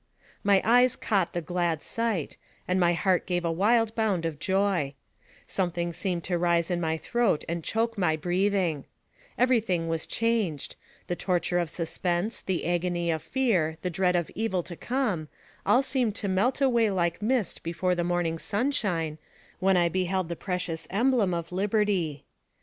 My eyes caught the glad sight, and my heart gave a wild bound of joy ; something seemed to rise in my throat and choke my breathing Every thing was changed ; the torture of suspense, the agony of fear, and dread of evil to come, all seemed to melt away like mist before the morning sunshine, when I beheld the precious emblem of liberty.